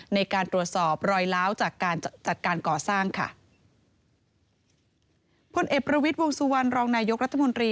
ในการตรวจสอบรอยล้าวจากการจัดการก่อสร้างค่ะพลเอกประวิทย์วงสุวรรณรองนายกรัฐมนตรี